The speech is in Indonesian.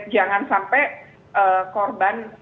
jangan sampai korban